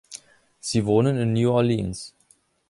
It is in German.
Sie wohnen in New Orleans.